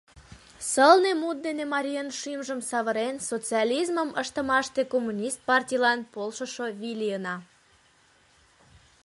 Сылне мут дене марийын шӱмжым савырен, социализмым ыштымаште Коммунист партийлан полшышо вий лийына.